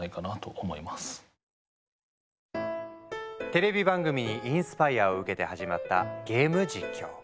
テレビ番組にインスパイアーを受けて始まったゲーム実況。